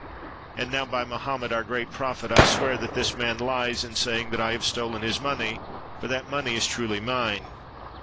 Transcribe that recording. And now, by Mohammed, our great Prophet, I swear that this man lies in saying that I have stolen his money, for that money is truly mine."